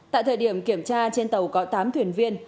tại thời điểm kiểm tra trên tàu có tám thuyền viên